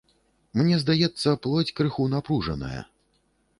Мне здаецца, плоць крыху напружаная.